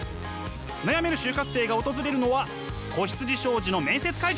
悩める就活生が訪れるのは子羊商事の面接会場。